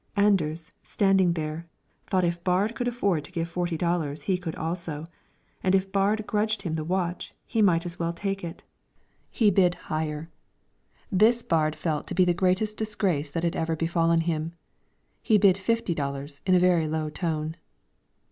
Anders, standing there, thought if Baard could afford to give forty dollars he could also, and if Baard grudged him the watch, he might as well take it. He bid higher. This Baard felt to be the greatest disgrace that had ever befallen him; he bid fifty dollars, in a very low tone.